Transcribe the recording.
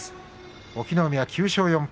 隠岐の海が９勝４敗